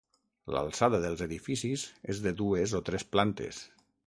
L'alçada dels edificis és de dues o tres plantes.